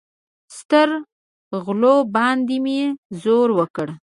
سترغلو باندې مې زور وکړ.